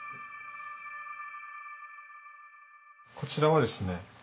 こちらはですね